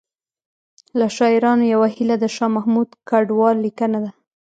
له شاعرانو یوه هیله د شاه محمود کډوال لیکنه ده